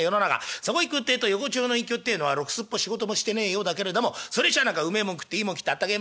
そこいくってえと横町の隠居ってえのはろくすっぽ仕事もしてねえようだけれどもそれにしちゃあうめえもん食っていいもん着て暖けえ